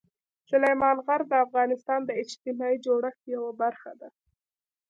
سلیمان غر د افغانستان د اجتماعي جوړښت یوه برخه ده.